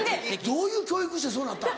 どういう教育してそうなったん？